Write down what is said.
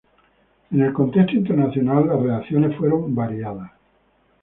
En el contexto internacional, las reacciones fueron variadas.